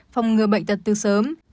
phòng ngừa bệnh tật từ sớm